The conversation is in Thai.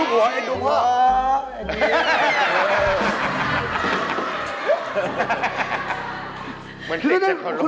อยากรับเป็นลูกคุณทำจังเลย